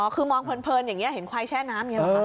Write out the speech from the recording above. คือมองเพลินอย่างนี้เห็นควายแช่น้ำอย่างนี้หรอคะ